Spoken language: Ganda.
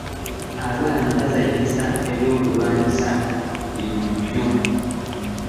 Abaana bazannyisa ebyokuzannyisa ebiyonjo.